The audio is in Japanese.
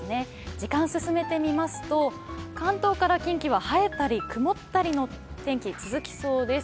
時間を進めていきますと関東から近畿は晴れたり曇ったりの天気が続きそうです。